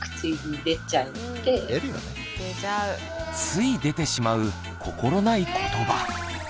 つい出てしまう心ない言葉。